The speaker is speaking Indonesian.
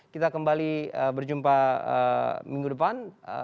kita kembali berjumpa minggu depan